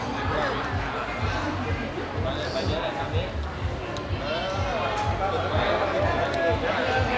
นี่พี่